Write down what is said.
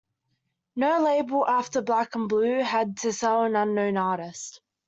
No label after Black and Blue had to sell an unknown artist.